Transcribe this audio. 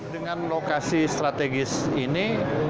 dengan lokasi strategis ini